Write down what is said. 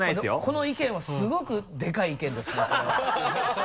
この意見はすごくでかい意見ですねこれは。ハハハ